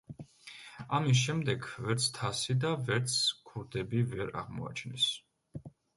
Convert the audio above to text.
ამის შემდეგ ვერც თასი და ვერც ქურდები ვერ აღმოაჩინეს.